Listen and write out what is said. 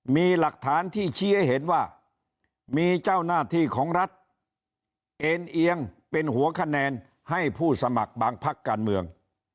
มีหลักฐานที่ชี้ให้เห็นว่ามีเจ้าหน้าที่ของรัฐเอ็นเอียงเป็นหัวคะแนนให้ผู้สมัครบางพักการเมือง